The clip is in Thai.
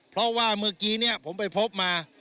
เพราะว่าเมื่อกี้เนี่ยผมไปพบมา